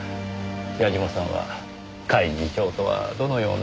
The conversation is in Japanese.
矢嶋さんは甲斐次長とはどのような。